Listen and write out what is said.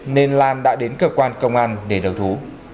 nên lan đã đến cơ quan công an để đấu thú